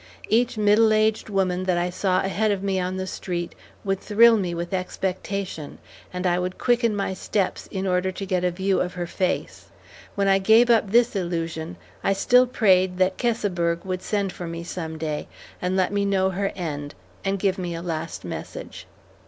Each middle aged woman that I saw ahead of me on the street would thrill me with expectation, and I would quicken my steps in order to get a view of her face. When I gave up this illusion, I still prayed that Keseberg would send for me some day, and let me know her end, and give me a last message.